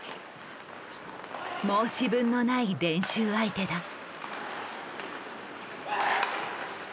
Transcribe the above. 申し分のない練習相手だ。